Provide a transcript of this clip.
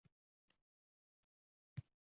Kalsiy kabi moddalarning sutkalik oʻrni qoplanadi